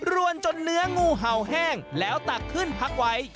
วนจนเนื้องูเห่าแห้งแล้วตักขึ้นพักไว้